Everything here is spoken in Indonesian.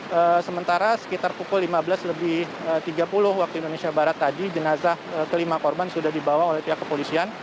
nah sementara sekitar pukul lima belas lebih tiga puluh waktu indonesia barat tadi jenazah kelima korban sudah dibawa oleh pihak kepolisian